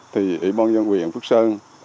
thì ủy ban dân huyện phước sơn